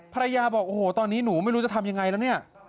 ภรรยาบอกโอ้โหตอนนี้หนูไม่รู้จะทำยังไงแล้วเนี่ย